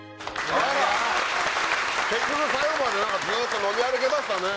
結局最後までずっと飲み歩けましたね。